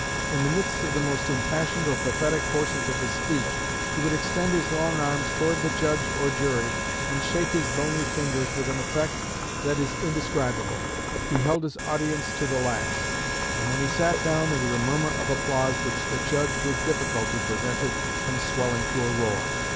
In the midst of the most impassioned or pathetic portions of his speech, he would extend his long arms toward the judge or jury, and shake his bony fingers with an effect that is indescribable. He held his audience to the last; and when he sat down there was a murmur of applause which the judge with difficulty prevented from swelling to a roar.